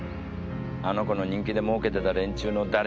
あの子の人気で儲けてた連中の誰